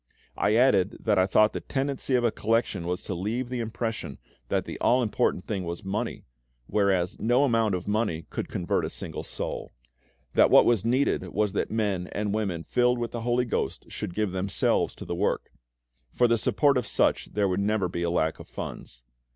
I added that I thought the tendency of a collection was to leave the impression that the all important thing was money, whereas no amount of money could convert a single soul; that what was needed was that men and women filled with the HOLY GHOST should give themselves to the work: for the support of such there would never be a lack of funds.